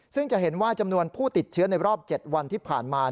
ซึ่งจะเห็นว่าจำนวนผู้ติดเชื้อในรอบ๗วันที่ผ่านมา